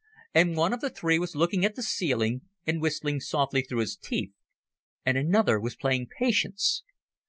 And one of the three was looking at the ceiling, and whistling softly through his teeth, and another was playing Patience.